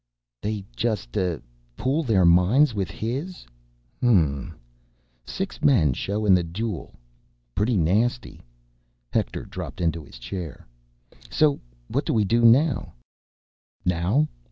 "They just, uh, pool their minds with his, hm m m? Six men show up in the duel ... pretty nasty." Hector dropped into the desk chair. "So what do we do now?" "Now?"